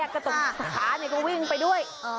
ตรงขาเขาก็วิ่งไปด้วย